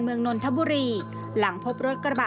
นนทบุรีหลังพบรถกระบะ